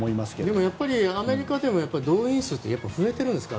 でもアメリカでも動員数って増えているんですかね。